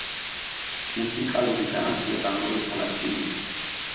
მუსიკალური განათლება ამავე ქალაქში მიიღო.